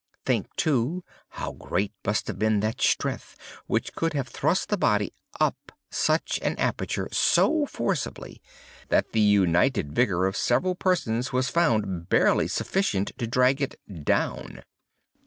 Think, too, how great must have been that strength which could have thrust the body up such an aperture so forcibly that the united vigor of several persons was found barely sufficient to drag it _down!